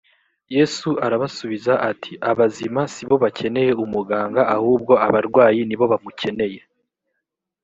yesu arabasubiza ati “abazima si bo bakeneye umuganga ahubwo abarwayi nibo bamukeneye”